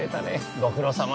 ご苦労さま。